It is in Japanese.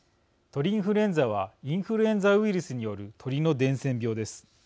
鳥インフルエンザはインフルエンザウイルスによる鳥の伝染病です。